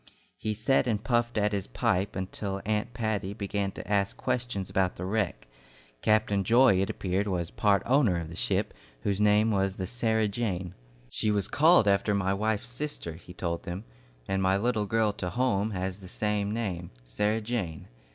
He sat and puffed at his pipe till Aunt Patty began to ask questions about the wreck. Captain Joy, it appeared, was part owner of the ship, whose name was the "Sarah Jane." "She was called after my wife's sister," he told them, "and my little girl to home has the same name, 'Sarah Jane.'